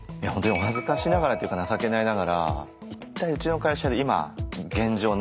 本当にお恥ずかしながらっていうか情けないながら一体うちの会社で今現状